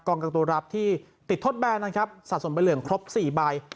กลางตัวรับที่ติดทดแบนนะครับสะสมใบเหลืองครบ๔ใบ